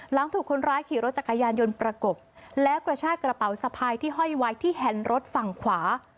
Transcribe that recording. หลังถูกคนร้ายขี่รถจักรยานยนต์ประกบแล้วกระชากระเป๋าสะพายที่ห้อยไว้ที่แฮนด์รถฝั่งขวา